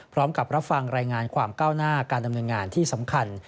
พร้อมกับรับฟังรายงานความก้าวหน้าการดำเนินงานที่สำคัญ